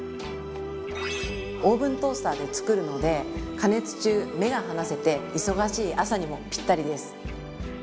オーブントースターで作るので加熱中目が離せて忙しい朝にもぴったりです！